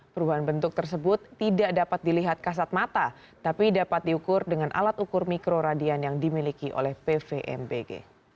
perubahan bentuk tersebut tidak dapat dilihat kasat mata tapi dapat diukur dengan alat ukur mikroradian yang dimiliki oleh pvmbg